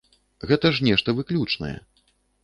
Гэта ж нешта выключнае.